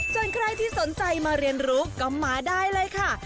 ส่วนใครที่สนใจมาเรียนรู้ก็มาได้เลยค่ะ